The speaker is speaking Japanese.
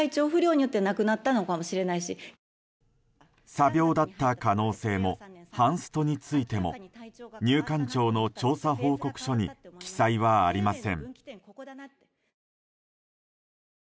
詐病だった可能性もハンストについても入管庁の調査報告書に記載はありません。